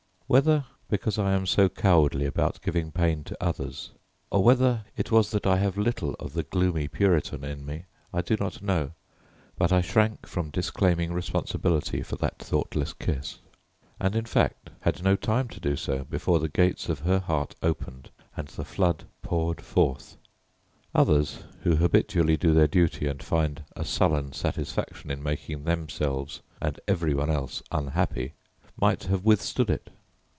Whether because I am so cowardly about giving pain to others, or whether it was that I have little of the gloomy Puritan in me, I do not know, but I shrank from disclaiming responsibility for that thoughtless kiss, and in fact had no time to do so before the gates of her heart opened and the flood poured forth. Others who habitually do their duty and find a sullen satisfaction in making themselves and everybody else unhappy, might have withstood it.